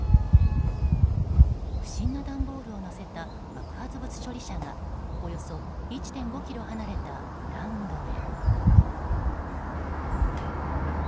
不審な段ボールを載せた爆発物処理車がおよそ１．５ｋｍ離れたグラウンドへ。